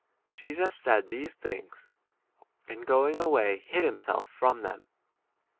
Jesus said these things, and going away hid 8 " himself from them.